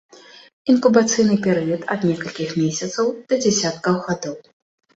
Інкубацыйны перыяд ад некалькіх месяцаў да дзесяткаў гадоў.